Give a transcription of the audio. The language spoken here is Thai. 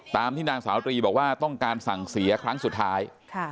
ตามที่นางสาวตรีบอกว่าต้องการสั่งเสียครั้งสุดท้าย